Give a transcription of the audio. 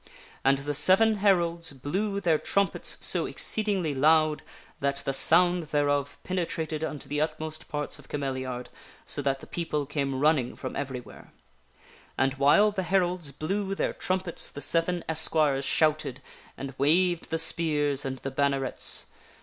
And the seven heralds blew panions appear their trumpets so exceedingly loud that the s.ound thereof ^ fore the penetrated unto the utmost parts of Cameliard, so that the people came running from everywhere. And while the heralds blew their trumpets the seven esquires shouted, and waved the spears and the bannerets.